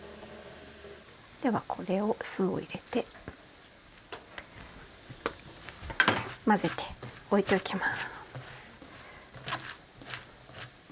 ではこれを酢を入れて混ぜて置いておきます。